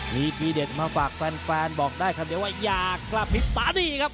มีทีเด็ดมาฝากแฟนบอกได้คำเดียวว่าอย่ากระพริบตาดีครับ